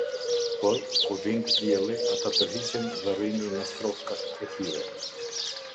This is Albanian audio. Por, kur lind dielli, ata tërhiqen dhe rrinë në strofkat e tyre.